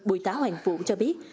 bùi tá hoàng vũ cho biết